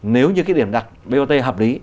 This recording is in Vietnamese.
nếu như cái điểm đặt bot hợp lý